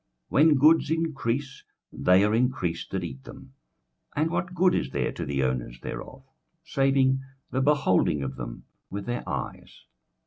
21:005:011 When goods increase, they are increased that eat them: and what good is there to the owners thereof, saving the beholding of them with their eyes?